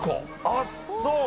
ああそう。